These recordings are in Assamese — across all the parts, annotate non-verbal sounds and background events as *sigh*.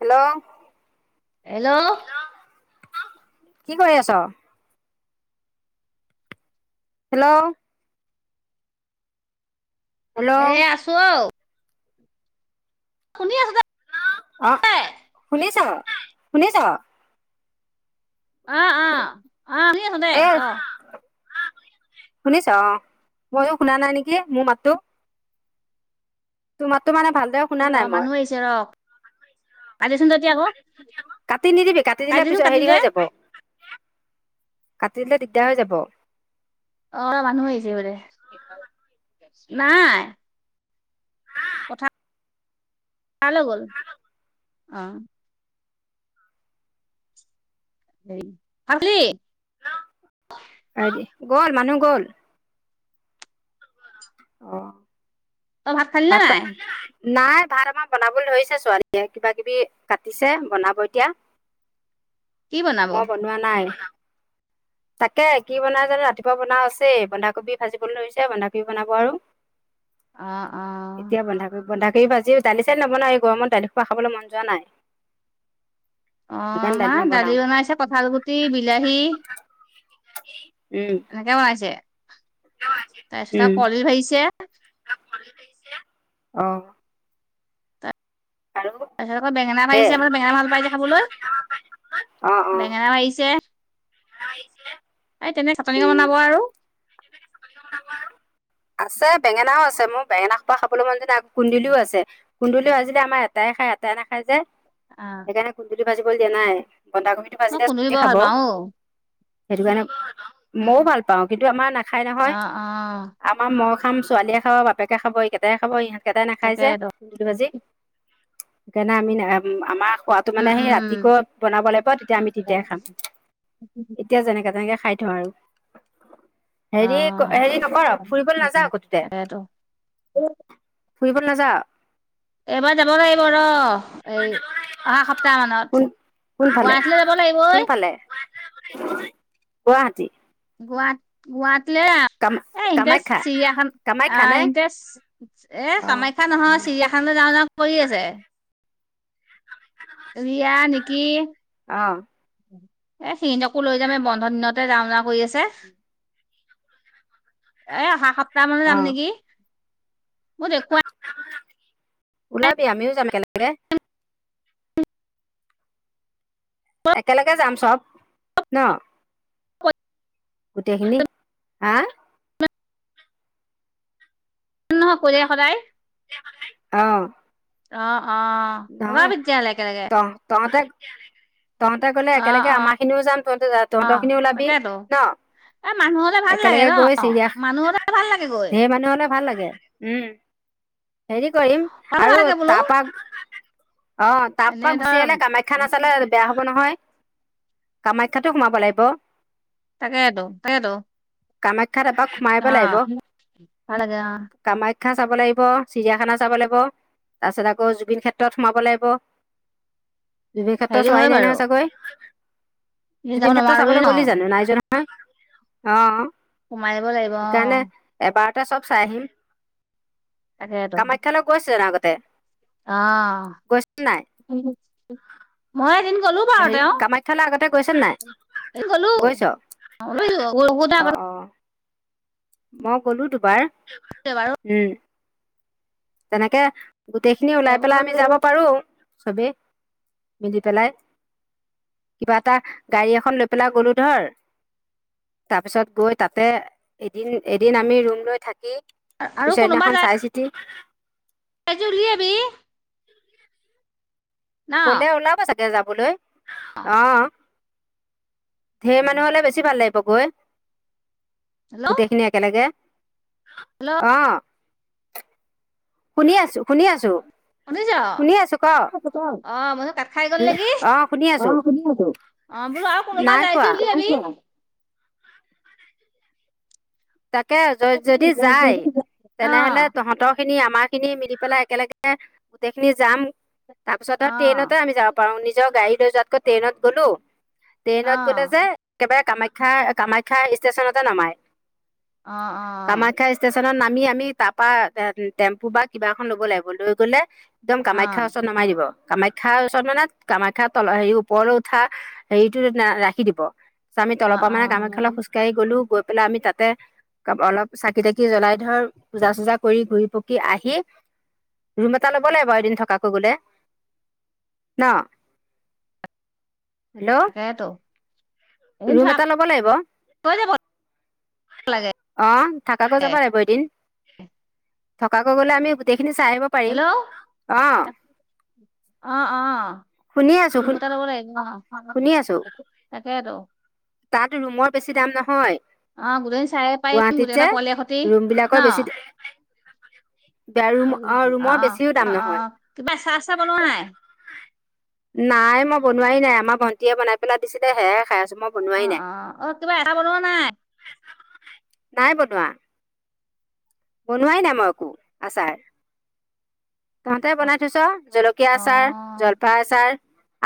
হেল্ল' হেল্ল' কি কৰি আছ? হেল্ল' এ হেল্ল' আছো অ। শুনি আছো যে- অ শুনিছ শুনিছ? অহ অ অ শুনি দে এ ক শুনিছ অ ময়ো শুনা নাই নেকি মোৰ মাতো তো মাততো মানে ভালদৰে শুনা নাই মই। কাতিচোন তেতিয়া আক কাটি নিদিবি কাটি দিলে পিছত হেৰি দে হৈ যাব। কাটি দিলে দিগদাৰ হৈ যাব। অ অলপ মানুহ আহিছে বোলে নাই। ভাল‌হৈ‌ গ'ল অহ। খালি আইডি গ'ল মানুহ গ'ল। অহ তই ভাত খালি নে নাই? নাই ভাত আমাৰ বনাবলৈ ধৰিছে ছোৱালীয়ে কিবা কিবি কাটিছে বনাব এতিয়া। কি বনাব অ মই বনোৱা নাই। তাকে কি বনাই জানো ৰাতিপুৱা বনাও আছেই, বন্ধাকবি ভাজিবলৈ ধৰিছে বন্ধাকবি বনাব আৰু। অ এতিয়া বন্ধা কবি বন্ধা কৰি ভাজিছ। দালি চালি নবনায় এই গৰমত দালি খোৱা খাবলৈ মন যোৱা নাই। অ সেইকাৰণে আমাৰ নবনাও দালি বনাইছে কঁঠাল গুটি, বিলাহী *inaudible* এনেকে বনাইছে তাৰপিছত উম আৰু কলদিল ভাজিছে। অহ তাৰপিছত আকৌ বেঙেনা সেই ভাজিছে মানে বেঙেনা ভাল পাইযে খাবলৈ। বেঙেনা ভাজিছে। নয়ছিলে এই তেনে চাটনি বনাব আৰু। আছে বেঙেনাও আছে, মোৰ বেঙেনা খোৱা খাব মন যোৱা নাই কুন্দুলিও আছে, কুন্দুলিও আজিলে আমাৰ এটাই খাই তাই নাখাই যে আহ সেইকাৰণে কুন্দুুলি ভাজিবলৈ দিয়া নাই। বন্ধাকবিটো মই ভাজিলে কুন্দুলি চবেই বৰ খাব। ভাল পাওঁ অ সেইটো কাৰণে মইও উম ভাল পাওঁ কিন্তু আমাৰ নাখায় অ নহয়। অ আমাৰ মই খাম ছোৱালীয়ে খাব বাপেকে খাব এইকেইটাই খাব ইহতকেইটাই নাখাই যে তাকেতো কুন্দুলী ভাজি। গেনা মিনা আমাৰ খোৱাতো উম মানে সেই উম ৰাতিক বনাব লাগিব তেতিয়া আমি তেতিয়াই খাম। এতিয়া যেনেকে তেনেকে খাই থওঁ আৰু অ হেৰি হেৰি নকৰ। ফুৰিব নাযাওঁ কতোতে তাকেতো ফুৰিব নাযাওঁ। এইবাৰ যাব লাগিব ৰ এই অহা সপ্তাহ কোন মানত কোনফালে গুৱাহাটীলে যাব লাগিবঐ কোনফালে গুৱাহাটী *unintelligible* এ ইণ্টাৰেষ্ট কাম কামাখ্যা চিৰিয়াখান অ কামাখ্যা নে ইণ্টাৰেষ্ট এ অ কামাখ্যা নহয় চিৰিয়াখানলৈ যাওঁ যাওঁ। ঠিক কৈ আছে। ওড়িয়া নেকি? অ এ সিনকো লৈ যাম এই বন্ধ দিনতে যাওঁ যাওঁ কৰি আছে। এ অহা সপ্তাহ মানো অ যাম নেকি? মোক একুৱাই ওলাবি আমিও যাম একেলগে। একেলগে যাম চব ন। *unintelligible* গোটেই খিনি হা নহয় কলীয়াক সদায় অহ অ', অ', গাঁওৱে ওলাবি তেতিয়াহ'লে একেলগে ত তহতে তহঁতে কলে অ', একেলগে অ', আমাৰ খিনিও যাম তহঁতে য অ তহঁতৰ খিনিও ওলাবি তাকেতো ন। এ মানুহ হ'লে ভাল লাগে একেলগে ন গৈ চিৰিয়াখ মানুহ হ'লে ভাল লাগে গৈ ঢেৰ মানুহ হলে ভাল লাগে। উম হেৰি কৰিম ভাল আৰু লাগে বোলো তাপা অ তাৰ এনে পৰা ধৰ গুচি আহিলে কামাখ্যা নাচালে বেয়া হব নহয়। কামাখ্যাটো সোমাব লাগিব। তাকে ত তাকে ত খ্যাত এপাক সোমাই আহিব লাগিব। ভাল লাগে অ', কামা- শা চাব লাগিব চিৰিয়াখানা চাব লাগিব তাৰপিছত আকৌ জুবিন খেত ক্ষেত্ৰত সোমাব লাগিব। বিভি ক্ষেত্ৰ হেৰি চোৱাই হয় নাই বাৰু নহয় চাগৈ। যাব জুবিন ক্ষেত্ৰ নোৱাৰোৱেই চাবলৈ ন গ'লি জানো নাই জোৱা নহয় অ। সোমাই যাব লাগিব অ তাতে চব চাই আহিম তাকেতো কামাখ্যালৈ গৈছে জানো আগতে অ গৈছে নাই মই এদিন গ'লো বাৰু হেৰি তেওঁ কামাখ্যালে আগতে গৈছে নাই এদিন গ'লো গৈছ অ অ *unintelligible* মই গলো দুবাৰ বাৰু উম তেনেকে গোটেই খিনি ওলাই এইবোৰ পেলাই আমি যাব পাৰো চবেই মিলি পেলাই কিবা এটা গাড়ী এখন লৈ পেলাই গ'লো ধৰ তাৰপিছত গৈ তাতে এদিন এদিন আমি ৰুম লৈ থাকি পিছৰদিনাখন চাই চিতি এ জুলি আবি কলে ওলাব চাগে যাবলৈ অহ ঢেৰ মানুহ হলে বেছি ভাল লাগিব গৈ হেল্ল' গোটেইখিনি একেলগে হেল্ল' অহ শুনি আছো শুনি আছো হু-নিজ অ মই বোলো কাত খাই গল নিকি অঁ শুনি অ আছোঁ সুনি আছো অ বোলো আৰু কোনোবা নাই যাই যদি কোৱা উলিয়াবি তাকে য যদি যায় অ', তেনেহলে তহঁতৰ খিনি আমাৰ খিনি মিলি পেলাই একেলগে গোটেই খিনি যাম তাৰ পিছতে অ', ট্ৰেইনতে আমি যাব পাৰো নিজৰ গাড়ী লৈ যোৱাতকৈ ট্ৰেইনত গ'লো অ', অ', ট্ৰেইনত গ'লে যে একেবাৰে কামাখ্যা কামাখ্যা ষ্টেচনতে নমায় অ অ অ *unintelligible* নত নামি আমি তাৰ পা এ টেম্পু বা কিবা এখন লব লাগিব। লৈ গ'লে একদম কামাখ্যাৰ ওচৰত নমাই দিব। কামাখ্যাৰ ওচৰত মানে কামাখ্যাৰ তল হেৰি ওপৰলৈ উঠা হেৰিটো ৰাখি দিব আমি অ', তলৰ পা মানে অ', কামাখ্যালে অ'। খোজকাঢ়ি গলো গৈ পেলাই আমি তাত অলপ চাকি তাকি জ্বলাই ধৰ পূজা চূজা কৰি ঘূৰি পকি আহি ৰুম এটা ল'ব লাগিব এদিন থকাকৈ গলে ন হেল্ল' তাকেতো এদিন থ ৰুম এটা ল'ব লাগিব অ কৈ যাব লাগে। থাকাকৈ যাবা লাগিব এদিন থকাকৈ গ'লে আমি গোটেই খিনি চাই আহিব পাৰিম হেল্ল' অহ অ', অ' ৰুম এটা লব লাগিব অ শুনি আছো তাকে আৰু তাত ৰুমৰ বেছি দাম নহয় অ গোটেইদিন চাই পাৰিম গুৱাহাটীত গোটেইকেইটা যে পোৱালিয়ে হতি ৰুম ন বিলাকৰ বেছি ৰুম অ ৰুমৰ বেছিও দাম অ অ অ নহয় কিবা চাহ চাহ বনোৱা নাই নাই মই বনোৱাই নাই আমাৰ ভন্টিয়ে বনাই পেলাই দিছিলে হেয়াই খাই আছো মই বনোৱাই অ নাই অ অ কিবা এটা বনোৱা নাই নাই বনোৱা বনোৱাই নাই মই একো আচাৰ তহঁতে বনাই থৈছ জলকীয়া অ আচাৰ জলফাই আচাৰ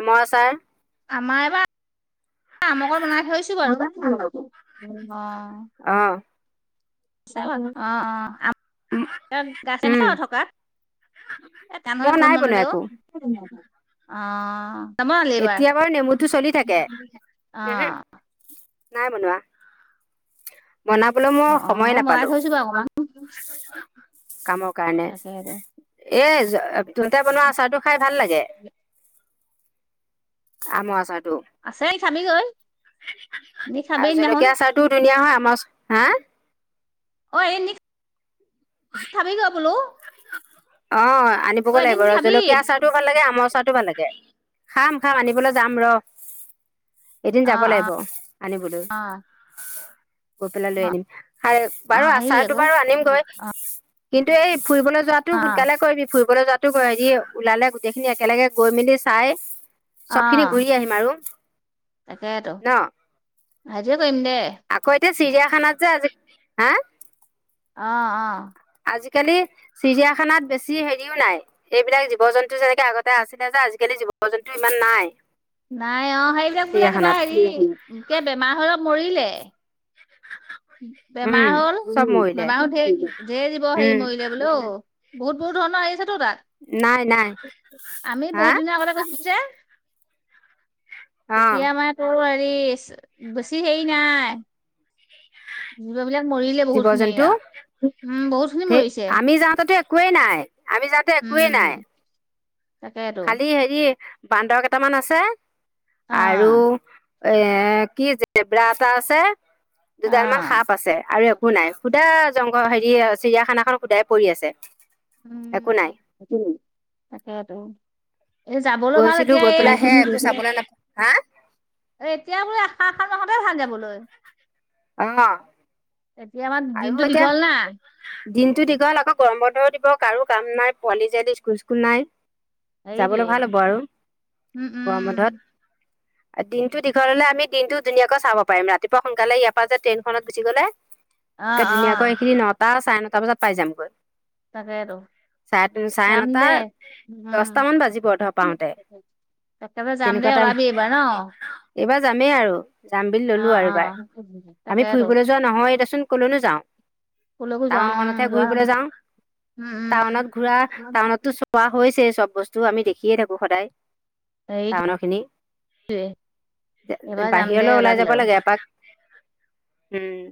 আমৰ আচাৰ আমাৰ এবাৰ আমকে বনাই থৈছো বাৰু অ অহ চাও আৰু অ উম অ *unintelligible* থকাত এ টান হলে মই খাব নাই মন বনোৱা নেযায় একো ঔ অ নবনালি এইবাৰ এতিয়া বাৰু নেমুটো চলি থাকে। অ ওহো। নাই বনোৱা। বনাবলৈ মই অ অ সময় মই বনাই নাপালো। থৈছো বাৰু অকমান কামক তাকেইটো। এ তুনতে বনোৱা আচাৰটো খাই ভাল লাগে। আমৰ আচাৰ। আছেই খাবিগৈ। এ খাবি আৰু সেদনাখন। জলকীয়া আচাৰটোও ধুনীয়া হয় আমাৰ, হা? অ, এ নি খাবি গৈ বোলো। অ, অ আনিবগৈ এদিন লাগিব নি ৰ। খাবি জলকীয়া আচাৰটোও ভাল লাগে, আমৰ আচাৰতো ভাল লাগে। *unintelligible* খাম, খাম আনিবলৈ যাম ৰ। এদিন অ অ যাব লাগিব আনিবলৈ। অ গৈ পেলাই অ লৈ আনিম। *unintelligible* অ বাৰু আহিবি আচাৰটো আকৌ বাৰু আনিম গৈ। কিন্তু এই ফুৰিবলৈ যোৱাতো অ সোনকালে কৰিবি। ফুৰিব কবলৈ যোৱাতো হেৰি ওলালে গোটেইখিনি একেলগে গৈ মেলি চাই চবখিনি ঘূৰি আহিম আৰু। তাকেইটো, ন সেইটোৱে কৰিম দে। আকৌ এতিয়া চিৰিয়াখানাত যে আজি, হা? অ-অ। আজি-কালি চিৰিয়াখানাত বেছি হেৰিও নাই। এইবিলাক জীৱ-জন্তু যেনেকে আগতে আছিলে যে। আজি-কালি জীৱ-জন্তু ইমান নাই। নাই অ। সেইবিলাক বোলে কিবা চিৰিয়াখানাত হেৰি *unintelligible* বেমাৰ হৈ হৈ মৰিলে। *unintelligible* বেমাৰ উম হল। চব মৰিলে বেমাৰো ধেৰ ধেৰ জীৱ হেৰি উম মৰিলে বোলে ঔ। বহুত বহুত ধৰণৰ আহিছেতো তাত নাই নাই আমি হা বহুত দিনৰ আগতে গৈছিলো যে অ তেতিয়া আমাৰ তো হেৰি বেছি হেৰি নাই হেবিলাক মৰিলে জীৱ বহুত খিনি এ জন্তু আও উম বহুত খিনি ধে মৰিছে আমি যাওঁতেতো একোৱেই নাই আমি যাওঁতে একোৱেই নাই উম তাকেতো খালি হেৰি বান্দৰ কেইটামান আছে অ আৰু এ কি জেব্ৰা এটা আছে। অ দুডাল মান সাপ আছে আৰু একো নাই। শুদা জংঘ হেৰি চিৰিয়াখানা খন শুদাই পৰি আছে। উম, একো নাই তাকেটো। গৈছিলো। গৈ পেলাই হে একো চাবলৈ নাপ, হা? এতিয়া বোলে এশ এশ টকাতে ভাল যাবলৈ। অ। এতিয়া আমাৰ দিনটো আৰু এতিয়া দীঘল না দিনটো দীঘল। আকৌ গৰম বন্ধৰ কাৰো কাম নাই। পোৱালি *unintelligible* স্কুল চিছকুল নাই। হেৰিটোৱে যাবলৈ ভাল হ'ব আৰু উম গৰম উম বন্ধত। দিনটো দীঘল হলে আমি দিনটো ধুনীয়াকৈ চাব পাৰিম। ৰাতিপুৱা সোনকালে ইয়াৰ পৰা যে ট্ৰেইনখনত গুচি গলে অ', একে ধুনীয়াকৈ অ', এইখিনি নটা, চাৰে নটা বজাত পাই যামগৈ। তাকেটো। চাৰে চাৰে নটা, দছটা মান বাজিব ধৰ পাওঁতে। একেবাৰে যাম দে তেনেকুৱা টাইম ওলাবি এইবাৰ ন? এইবাৰ যামেই আৰু যাম বুলি ললো অ', আৰু এইবাৰ। অ', আমি তাকেতো ফুৰিবলৈ যোৱা নহয়েদেচোন। যাওঁ ক'লৈকো যাওঁ টাউনখনতহে যোৱা ঘূৰিবলে যাওঁ। উম, উম। টাউনত ঘূৰা, টাউনতটো চোৱা হৈছেই চব বস্তু। আমি দেখিয়ে থাকো সদায়। হেৰি টাউনৰ খিনি এইবাৰ যাম দে বাহিৰলৈ ওলাই ওলাবি যাব আৰু। লাগে এপাক। উম,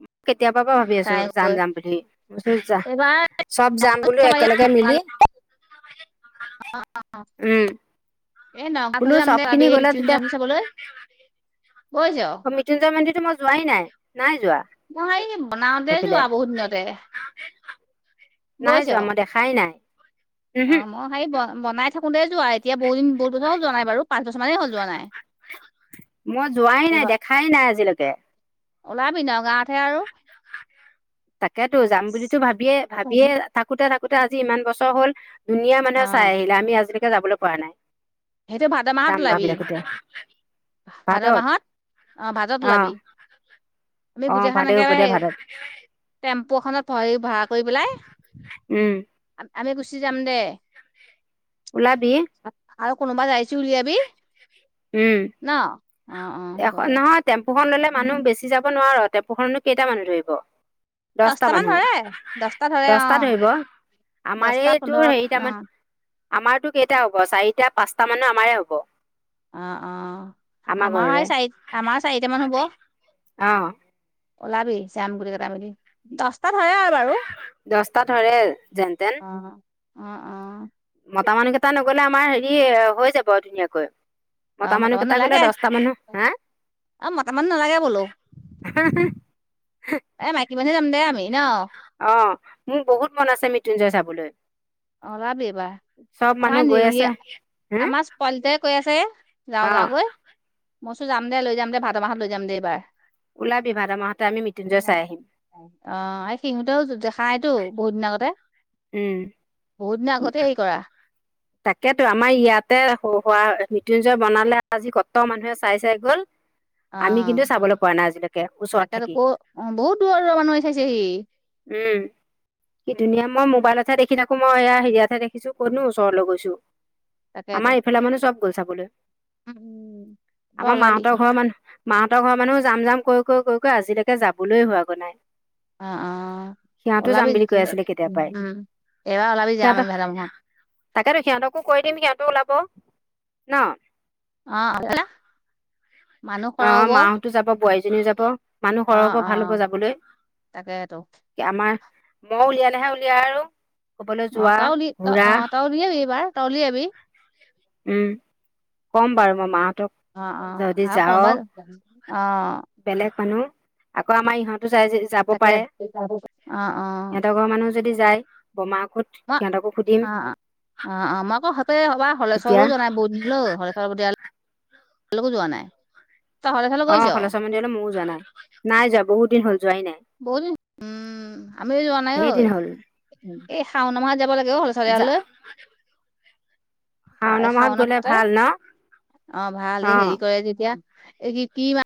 মই কেতিয়াবা পৰা ভাবি আছো চাই যাম যাম বুলি। *unintelligible* এইবাৰ চব যাম। বোলো একেলগে মিলি, উম। এ নগাও বোলো ফালে যাম চব দেই খিনি এই গ'লে মৃত্যুঞ্জয় তেতিয়া মন্দিৰ চাবলৈ বুজিছ। অ মৃত্যুঞ্জয় মন্দিতো মই যোৱাই নাই নাই যোৱা মই এই বনাওঁতে সেইফালে যোৱা বহুত দিনতে নাই যোৱা বুজিছ। মই দেখাই নাই অ উহো মই হে ব বনাই থাকোতেই যোৱা এতিয়া বহুত দিন বহুত বছৰ হল যোৱা নাই বাৰু পাঁচ বছৰমানেই হল যোৱা নাই মই যোৱাই নাই এইবাৰ দেখাই নাই আজিলৈকে ওলাবি নগাৱত তাকেতো যাম বুলিতো ভাবিয়ে ভাবিয়ে থাকোতে থাকো কোতে আজি ইমান বছৰ হ'ল দুনীয়াৰ অ মানুহে চাই আহিলে আমি আজিলেকে যাবলৈ পৰা নাই সেইটো ভাদ মাহত যাম ওলাবি ভাবি থাকোতে ভাদ ভাদত মাহত অ ভাদত ওলাবি আমি অ গোটেই খা ন এক ভালেই হব দে ভাদত আপোখনত পই ভাৰা কৰি পেলাই উম আমি গুচি যাম দে ওলাবি আৰু কোনোবা যাই ছি উলিয়াবি উম ন অ অ হ'ব দে খন ললে মানুহ বেছি যাব নোৱাৰ টেম্পুখননো কেইটা মানুহ ধৰিব দছটা দহটামান মানুহ ধৰে দহটা ধৰে অ দছটা ধৰিব আমাৰ দহটা এই তোৰ পোন্ধৰত হেৰি অ তামান আমাৰতো কেইটা হব চাৰিটা পাঁচটা মানে আমাৰে হব অ অ আমাৰ চাৰি আমাৰ চাৰিটামান হ'ব অহ ওলাাবি যাম গোটেইকেইটা মিলি দছ তাত হয়ে আৰু বাৰু দহটা ধৰে যেন তেন অ অ অ মতা মানুহকেইটা নগলে আমাৰ হেৰি হৈ যাব আৰু ধুনীয়াকৈ। মতা মানুহ কেইটা গলে দহটা মানুহ হা অ, মতামানুহ নালাগে বোলো। এ মাইকী মানুহে যাম দে আমি ন অ মোক বহুত মন আছে মৃত্যুঞ্জয় চাব বোলে অ ওলাবি এইবাৰ আমাৰ গৈ আছে হা নেৰিয়া আমাৰ পোৱালিকেটাই কৈ আছে যাওঁ অ যাওঁকৈ মইছো যাম দে লৈ যাম দে ভাদ মাহত লৈ যাম দে এইবাৰ ওলাবি ভাদ মাহতে আমি মৃত্যুঞ্জয় চাই আহিম অ এই সিহঁতেও দেখাই টো বহুত দিন আগতে উম বহুত দিনৰ আগতে হেৰি কৰা তাকেতো আমাৰ ইয়াতে হো হোৱা মৃত্যুঞ্জয় বনালে আজি কত মানুহে চাই চাই গ'ল অ আমি কিন্তু চাবলে পোৱা নাই আজিলেকে ওচৰত তাকেতো থাকি ক বহুত দূৰৰ দূৰৰ মানুহ আহিছে চাইছেহি উম কি ধুনীয়া মই মোবাইলতেহে দেখি থাকো মই এয়া হেৰিয়হে দেখিছো ক'তনো ওচৰলৈ গৈছো তাকেতো আমাৰ এইফালৰ মানুহ চব গ'ল চাবলৈ উম উম তই আমাৰ ওলাবি মাহতৰ ঘৰৰ মানুহ মাহঁতৰ ঘৰ মানুহো যাম যাম কৈ কৈ কৈ কৈ আজিলেকে যাবলৈ হোৱাগৈ নাই অ অ সিহঁতো যাম ওলাবি বুলি কৈ তেতিয়াহলে আছিলে কেতিয়াৰ পৰাই উম এইবাৰ ওলাবি যাম সিহঁতক আমি ভাদমাহত তাকেতো সিহঁতকো কৈ দিম সিহঁতেও ওলাব ন অ এটা অ মা হতো যাব বোৱাৰীজনীও যাব মানুহ সৰহ হ'ব ভাল হ'ব অ', যাবলৈ তাকেতো আমাৰ মই উলিয়ালেহে উলিয়া আৰু ক'বলৈ অ যোৱা তাউলি ঘূৰা অ তাউলি যাবি এইবাৰ তাউলি যাবি। উম কম বাৰু মই মাক। তক অ', অ', যদি আৰু যাও কোনোবা অ', বেলেগ মানুহ আকৌ আমাৰ ইহঁত যাই যদি যাব তাকে পাৰে অ', অ', সিহঁতৰ ঘৰৰ মানুহ যদি যায় বমাক শুধ মই সিহঁতক সুধিম অ', অ', অ আমাকো সাতে হবা হলেছ তেতিয়া *unintelligible* যোৱা নাই তই হলেশ্বৰলৈ অ গৈছ খলচ মন্দিৰলৈ ময়ো যোৱা নাই নাই যোৱা বহুত দিন হ'ল যোৱাই নাই বহুত দিন উম আমিও যোৱা নাই ধেৰ ঐ। দিন হ'ল এ শাওনা মাহ যাব লাগে অ সৰু ল'ৰা ছোৱালী হাল লৈ এ শাওণৰ মাহত শাওন গ'লে পাতে ভাল ন অ ভাল অঁ হেৰি কৰে তেতিয়া এই কি কি মা